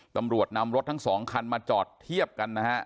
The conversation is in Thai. ตำรวจนำรถทั้งสองคันมาจอดเทียบกันนะฮะ